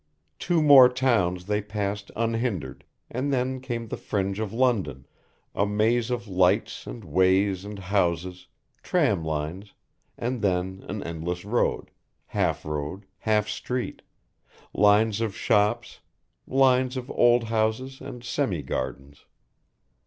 Two more towns they passed unhindered, and then came the fringe of London, a maze of lights and ways and houses, tram lines, and then an endless road, half road, half street, lines of shops, lines of old houses and semi gardens.